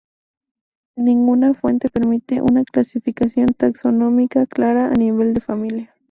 Ninguna fuente permite una clasificación taxonómica clara a nivel de familia.